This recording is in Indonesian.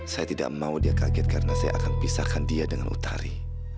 saya tidak mau dia kaget karena saya akan pisahkan dia dengan utari